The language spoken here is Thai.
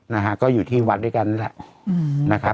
นะครับก็อยู่ที่วัดด้วยกันนะครับ